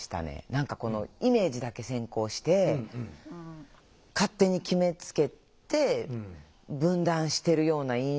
何かこのイメージだけ先行して勝手に決めつけて分断してるような印象で。